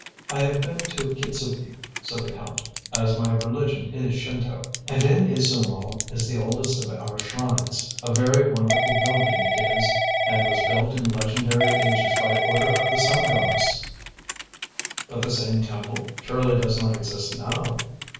"I have been to Kitzuki," said the Count, "as my religion is Shinto, and in Izumo is the oldest of our shrines. A very wonderful building it is, and was built in legendary ages by order of the Sun goddess." "But the same temple surely does not exist now?"